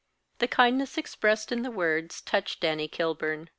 The kindness expressed in the words touched Annie Kilburn.